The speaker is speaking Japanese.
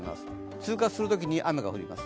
通過するときに雨が降ります。